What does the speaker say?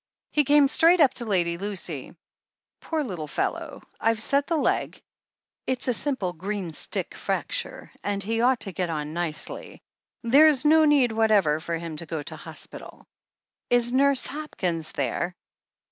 He came straight up to Lady Lucy. "Poor little fellow, I've set the leg — it's a simple, green stick fracture, and he ought to get on nicely. There's no need whatever for him to go to hospitaL" "Is Nurse Hopkins there?"